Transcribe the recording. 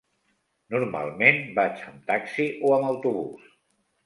Normalment vaig amb taxi o amb autobús.